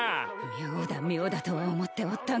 妙だ妙だとは思っておったが。